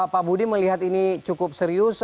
pak budi melihat ini cukup serius